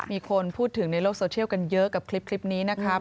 มีคนพูดถึงในโลกโซเชียลกันเยอะกับคลิปนี้นะครับ